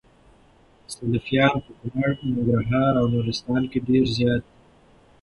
سلفيان په کونړ ، ننګرهار او نورستان کي ډير زيات دي